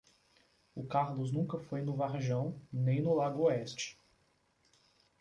O Carlos nunca foi no Varjão, nem no Lago Oeste.